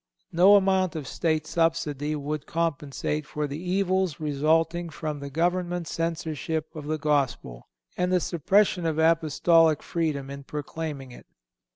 No amount of State subsidy would compensate for the evils resulting from the Government censorship of the Gospel, and the suppression of Apostolic freedom in proclaiming it.